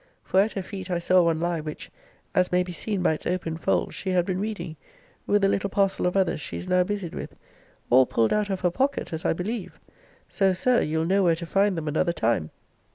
For at her feet I saw one lie, which, as may be seen by its open fold, she had been reading, with a little parcel of others she is now busied with all pulled out of her pocket, as I believe: so, Sir, you'll know where to find them another time.